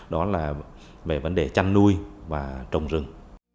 đó là về vấn đề chăn nuôi và trồng rừng